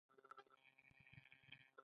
سترګې څنګه پاکې وساتو؟